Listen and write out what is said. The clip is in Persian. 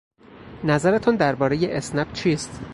نظرتان دربارهی اسنپ چیست؟